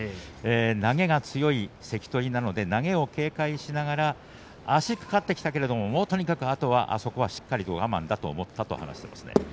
投げが強い関取なので投げを警戒しながら足が掛かってきたけどとにかくあとはあそこはしっかりと我慢だと思ったと話していました